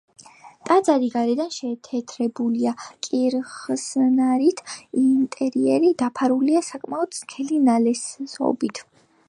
ტაძარი გარედან შეთეთრებულია კირხსნარით, ინტერიერი დაფარულია საკმაოდ სქელი ნალესობით.